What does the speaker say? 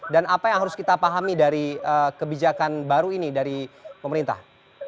dan apa yang harus kita pahami dari kebijakan baru ini dari pemerintah